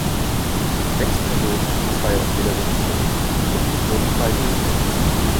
Sechs Personen, zwei aus jeder Sektion des Publikums, wurden herbeigerufen.